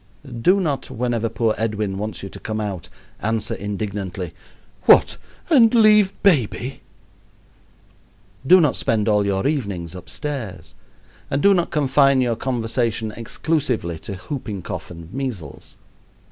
Do not, whenever poor Edwin wants you to come out, answer indignantly, "What, and leave baby!" Do not spend all your evenings upstairs, and do not confine your conversation exclusively to whooping cough and measles.